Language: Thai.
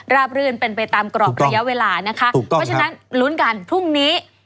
รื่นเป็นไปตามกรอบระยะเวลานะคะเพราะฉะนั้นลุ้นกันพรุ่งนี้